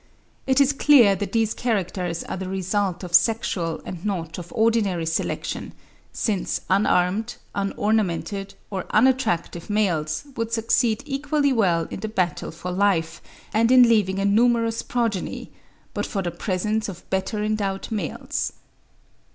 It is clear that these characters are the result of sexual and not of ordinary selection, since unarmed, unornamented, or unattractive males would succeed equally well in the battle for life and in leaving a numerous progeny, but for the presence of better endowed males.